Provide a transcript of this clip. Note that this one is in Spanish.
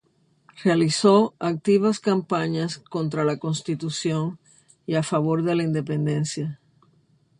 Realizó activas campañas contra la Constitución y a favor de la independencia.